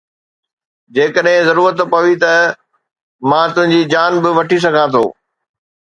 جيڪڏهن ضرورت پوي ته مان تنهنجي جان به وٺي سگهان ٿو